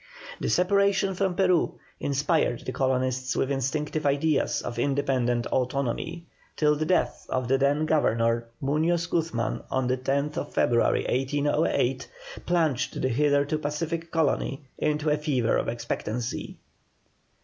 The separation from Peru inspired the colonists with instinctive ideas of independent autonomy, till the death of the then governor, Muñoz Guzman, on the 10th February, 1808, plunged the hitherto pacific colony into a fever of expectancy.